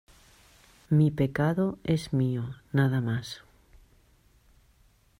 mi pecado es mío nada más.